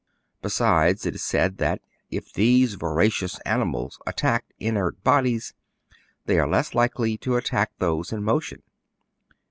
Besides, it is said, that, if these voracious animals attack inert bodies, they are less likely to attack those in motion.